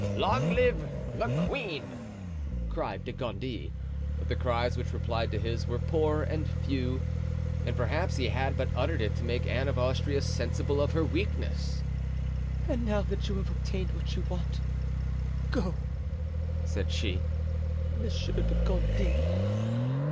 "Long live the queen!" cried De Gondy; but the cries which replied to his were poor and few, and perhaps he had but uttered it to make Anne of Austria sensible of her weakness. "And now that you have obtained what you want, go," said she, "Monsieur de Gondy."